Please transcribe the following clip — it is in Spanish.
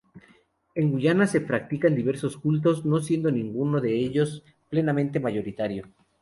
En Guyana se practican diversos cultos, no siendo ninguno de ellos plenamente mayoritario.